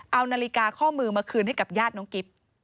เอานาฬิกาข้อมือมาคืนให้กับญาติน้องกิฟต์